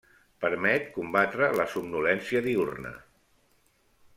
Permet combatre la somnolència diürna.